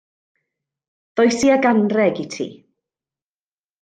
Ddois i ag anrheg i ti.